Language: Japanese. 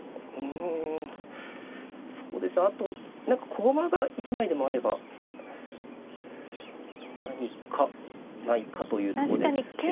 あと何か小駒が一枚でもあれば何かないかというとこですけども。